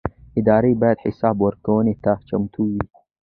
ادارې باید حساب ورکونې ته چمتو وي